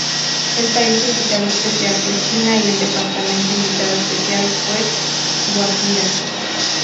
El país invitado especial fue China y el departamento invitado especial fue Guajira.